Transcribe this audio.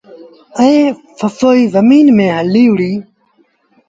ائيٚݩ سسئيٚ زميݩ ميݩ هليٚ وُهڙيٚ۔